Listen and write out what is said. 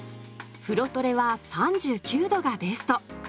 風呂トレは３９℃がベスト。